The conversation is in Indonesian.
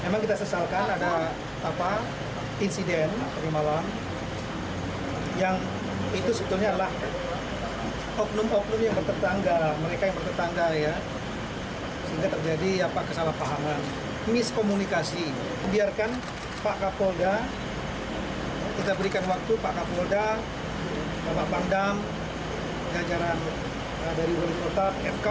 pak kapolda bapak bangdam penyajaran dari bapak bangdam fkup menyelesaikan masalah lokal yang ada di sana